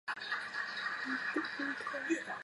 北魏太和十一年改为北安邑县。